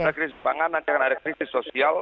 ada krisis pangan nanti akan ada krisis sosial